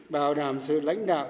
bảo đảm sự lãnh đạo